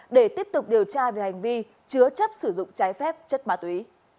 để tiếp tục điều tra về hành vi chứa chấp sử dụng trái phép chất ma túy